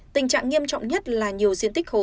tình trạng nghiêm trọng nhất là nhiều diện tích hồ